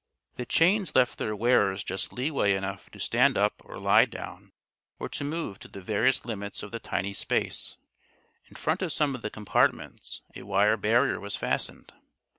The chains left their wearers just leeway enough to stand up or lie down or to move to the various limits of the tiny space. In front of some of the compartments a wire barrier was fastened.